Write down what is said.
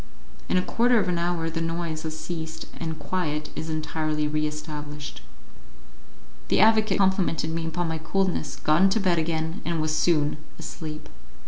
In a quarter of an hour the noise has ceased, and quiet is entirely re established. The advocate complimented me upon my coolness, got into bed again, and was soon asleep.